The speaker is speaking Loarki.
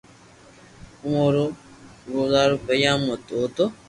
اووہ رو گوزارو پينيا مون ھوتو